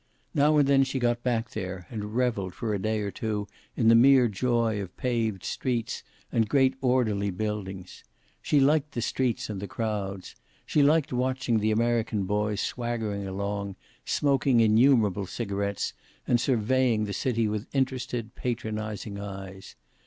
Now and then she got back there, and reveled for a day or two in the mere joy of paved streets and great orderly buildings. She liked the streets and the crowds. She liked watching the American boys swaggering along, smoking innumerable cigarets and surveying the city with interested, patronizing eyes.